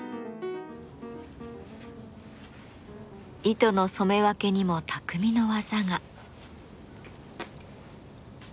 糸の染め分けにも匠の技が。